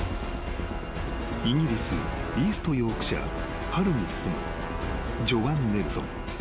［イギリスイーストヨークシャーハルに住むジョアン・ネルソン］